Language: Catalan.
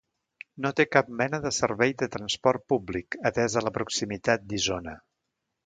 No té cap mena de servei de transport públic, atesa la proximitat d'Isona.